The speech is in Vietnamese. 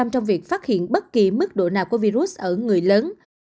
trong việc phát hiện bất kỳ mức độ nào của virus ở người lớn